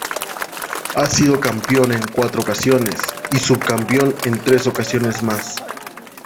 Ha sido campeón en cuatro ocasiones y subcampeón en tres ocasiones más.